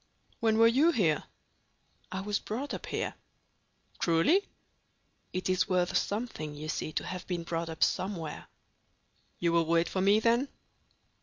When were you here?" "I was brought up here." "Truly?" "It is worth something, you see, to have been brought up somewhere." "You will wait for me, then?"